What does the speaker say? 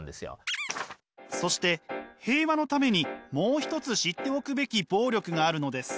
そして平和のためにもう一つ知っておくべき暴力があるのです。